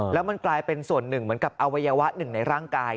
แล้วมันกลายเป็นส่วนหนึ่งเหมือนกับอวัยวะหนึ่งในร่างกาย